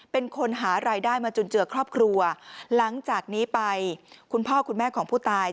เป็นคนหารายได้มาจุนเจือครอบครัวหลังจากนี้ไปคุณพ่อคุณแม่ของผู้ตาย